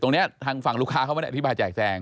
ตรงนี้ฟังลูกค้าเขามานี่อธิบายแจกแจง